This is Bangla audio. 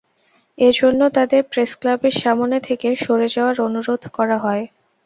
এ জন্য তাঁদের প্রেসক্লাবের সামনে থেকে সরে যাওয়ার অনুরোধ করা হয়।